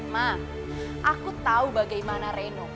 ma aku tau bagaimana reno